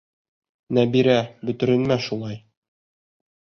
Нәбирә, бөтөрөнмә шулай.